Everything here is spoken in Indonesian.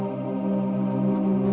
tentang apa yang terjadi